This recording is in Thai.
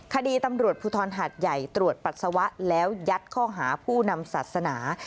คดีตำรวจภูทรหาดใหญ่ตรวจปัสสาวะแล้วยัดข้อหาผู้นำศาสนา